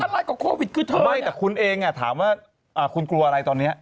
ไม่แต่คุณเองถามว่าคุณกลัวอะไรตอนนี้